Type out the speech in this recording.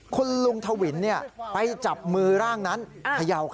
คุณลุงทวินไปจับมือร่างนั้นเขย่า